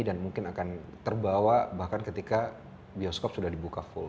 dan mungkin akan terbawa bahkan ketika bioskop sudah dibuka full